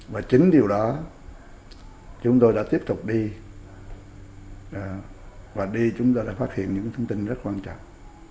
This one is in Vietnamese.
và chính điều đó chúng tôi đã tiếp tục đi và đi chúng tôi đã phát hiện những thông tin rất quan trọng